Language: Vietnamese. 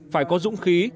phải có dũng khí